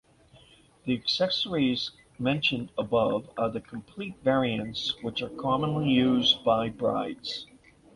The accessories mentioned above are the complete variants which are commonly used by brides.